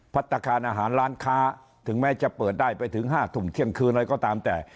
พัฒนาการอาหารร้านค้าถึงแม้จะเปิดได้ไปถึง๕ทุ่มเที่ยงคืนอะไรก็ตามแต่